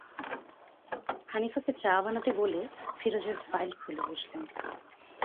হানিফাকে চা বানাতে বলে ফিরোজের ফাইল খুলে বসলেন।